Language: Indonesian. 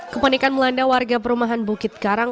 kepanikan melanda warga perumahan bukit karang